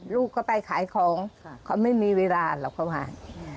ลูกก็ไปขายของเขาไม่มีเวลาหรอกเขามา